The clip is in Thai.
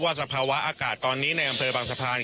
สภาวะอากาศตอนนี้ในอำเภอบางสะพาน